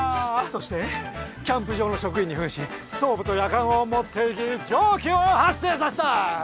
そしてキャンプ場の職員に扮しストーブとやかんを持っていき蒸気を発生させた！